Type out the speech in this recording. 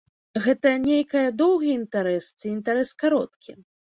Гэта нейкая доўгі інтарэс ці інтарэс кароткі?